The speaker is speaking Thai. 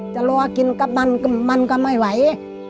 จะรอกินกับมันมันก็ไม่ไหว